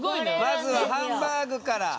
まずはハンバーグから。